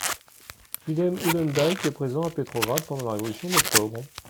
Willem Oudendijk est présent à Petrograd pendant la Révolution d'Octobre.